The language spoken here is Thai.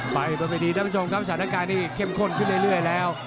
ไปบนเวทีท่านผู้ชมครับสถานการณ์นี้เข้มข้นขึ้นเรื่อยแล้ว